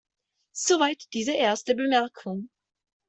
Soweit diese erste Bemerkung.